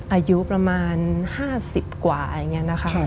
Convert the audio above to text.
อายุประมาณ๕๐กว่าอะไรอย่างนี้นะคะ